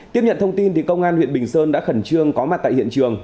tiếp nhận thông tin công an huyện bình sơn đã khẩn trương có mặt tại hiện trường